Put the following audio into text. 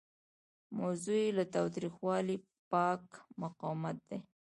موضوع یې له تاوتریخوالي پاک مقاومت دی.